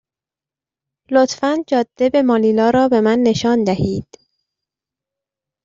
لطفا جاده به مانیلا را به من نشان دهید.